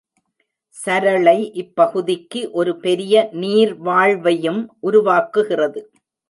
சரளை இப்பகுதிக்கு ஒரு பெரிய நீர்வாழ்வையும் உருவாக்குகிறது.